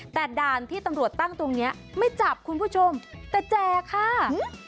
แต่ด่านที่ตำรวจตั้งตรงเนี้ยไม่จับคุณผู้ชมแต่แจกค่ะ